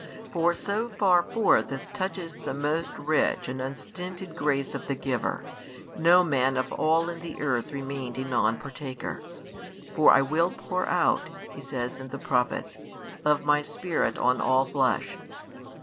For so far forth as touches the most rich and unstinted grace of the Giver, no man of all in the earth remained a non partaker: For I will pour out, He says in the prophets, of my Spirit on all flesh.